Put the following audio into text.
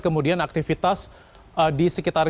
kemudian aktivitas di sekitar